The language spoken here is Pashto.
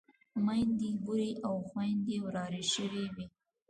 ميندې بورې او خويندې ورارې شوې وې.